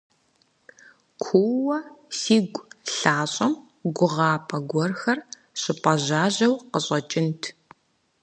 Куууэ сигу лъащӀэм гугъапӀэ гуэрхэр щыпӀэжьажьэу къыщӀэкӀынт.